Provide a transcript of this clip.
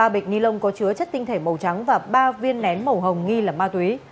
ba bịch ni lông có chứa chất tinh thể màu trắng và ba viên nén màu hồng nghi là ma túy